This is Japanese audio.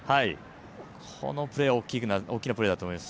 このプレーは大きなプレーだと思います。